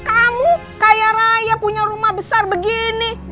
kamu kaya raya punya rumah besar begini